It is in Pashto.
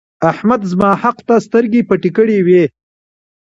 احمد زما حق ته سترګې پټې کړې وې.